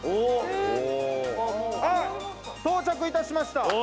到着いたしました。